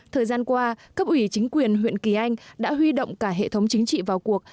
thời gian qua cấp ủy chính quyền huyện kỳ anh đã huy động cả hệ thống chính trị vào cuộc